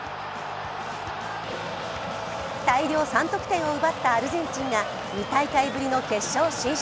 大量３得点を奪ったアルゼンチンが２大会ぶりの決勝進出。